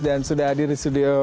dan sudah hadir di studio